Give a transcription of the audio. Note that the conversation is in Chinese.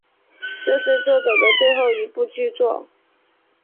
这是作者的最后一部剧作。